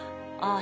あ